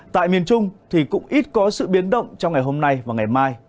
tại miền trung thì cũng ít có sự biến động trong ngày hôm nay và ngày mai